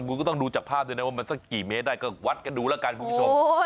คุณก็ต้องดูจากภาพว่ามันสักกี่เมตรวัดกระดูกละกันคุณผู้ชม